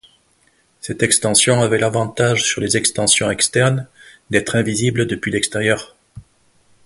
Cette extension avait l'avantage sur les extensions externes d'être invisible depuis l'extérieur.